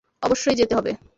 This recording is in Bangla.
অবশ্যই যেতে হবে!